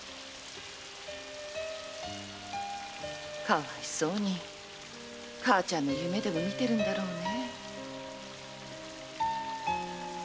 かわいそうに母ちゃんの夢でも見ているんだろうね。